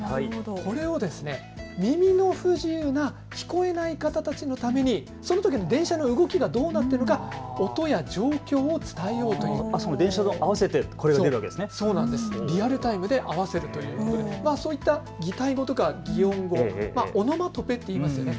これは耳の不自由な聞こえない方たちのためにそのときの電車の動きがどうなっているか音や状況を伝えようという、リアルタイムで合わせるということで擬態語や擬音語、オノマトペと言いますよね。